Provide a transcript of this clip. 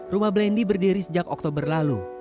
rumah blendy berdiri sejak oktober lalu